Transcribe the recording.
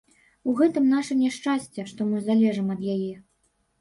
У гэтым наша няшчасце, што мы залежым ад яе.